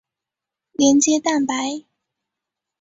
连接蛋白。